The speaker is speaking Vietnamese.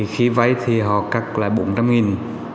khi vay thì họ cắt lại bốn trăm linh nghìn